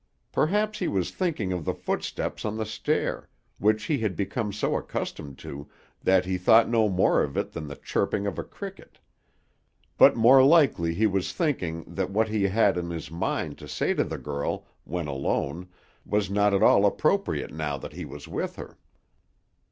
Perhaps he was thinking of the footstep on the stair, which he had become so accustomed to that he thought no more of it than the chirping of a cricket; but more likely he was thinking that what he had in his mind to say to the girl, when alone, was not at all appropriate now that he was with her.